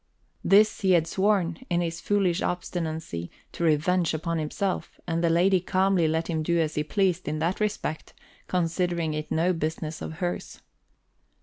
This he had sworn, in his foolish obstinacy, to revenge upon himself, and the lady calmly let him do as he pleased in that respect, considering it no business of hers.